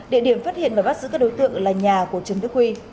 địa điểm phát hiện và bắt giữ các đối tượng là nhà của trần đức huy